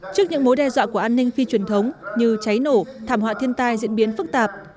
trước những mối đe dọa của an ninh phi truyền thống như cháy nổ thảm họa thiên tai diễn biến phức tạp